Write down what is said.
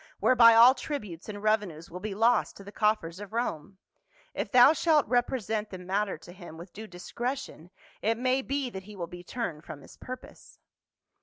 177 whereby all tributes and revenues will be lost to the coffers of Rome : if thou shalt represent the matter to him with due discretion, it may be that he will be turned from his purpose."